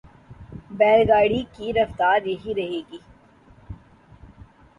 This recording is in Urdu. بیل گاڑی کی رفتار یہی رہے گی۔